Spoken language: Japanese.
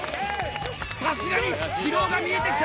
さすがに疲労が見えてきたか？